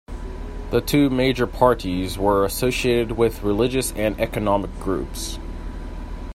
The two major parties were associated with religious and economic groups.